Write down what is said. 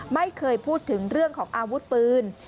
ไม่เคยพูดถึงเรื่องของอาวุธปืน